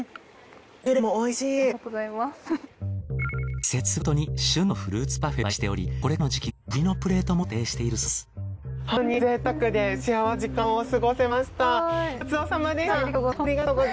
季節ごとに旬のフルーツパフェを販売しておりこれからの時期は栗のプレートも予定しているそうです。